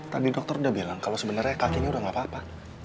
tadi dokter udah bilang kalau sebenarnya kakinya udah gak apa apa